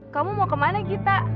kamu mau kemana gita